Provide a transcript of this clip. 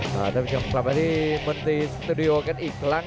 ท่านผู้ชมกลับมาที่มนตรีสตูดิโอกันอีกครั้ง